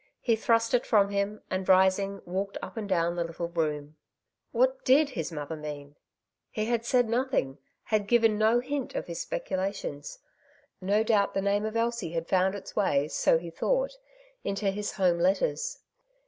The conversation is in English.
He thrust it from him, and rising, walked up and down the little room. A Dark Side of the Question. 151 What did his mother mean ? He Lad said nothing, had given no hint of his speculations. No doubt the name of Elsie had found its way, so he thought, into his home letters.